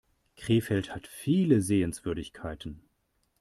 Krefeld hat viele Sehenswürdigkeiten